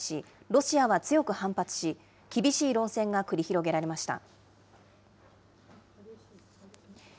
ロシアは強く反発し、激しい論戦が繰り広げられました。